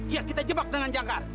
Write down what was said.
ya kita jebak dengan jangkar